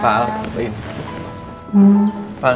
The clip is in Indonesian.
pak al wain